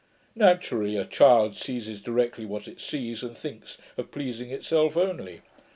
Naturally a child seizes directly what it sees, and thinks of pleasing itself only.